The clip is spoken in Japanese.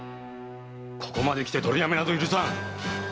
ここまできて取りやめなど許さぬ！